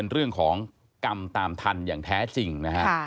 เรื่องของกรรมตามทันอย่างแท้จริงนะฮะ